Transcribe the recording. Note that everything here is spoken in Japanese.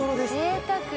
ぜいたく。